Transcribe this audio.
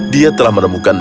dia telah menemukan